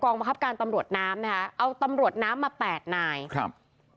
บังคับการตำรวจน้ำนะคะเอาตำรวจน้ำมาแปดนายครับ